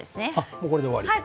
もうこれで終わり。